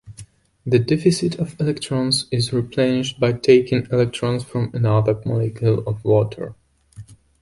The deficit of electrons is replenished by taking electrons from another molecule of water.